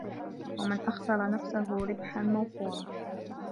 وَمَنْ أَخْسَرَ نَفْسَهُ رِبْحًا مَوْفُورًا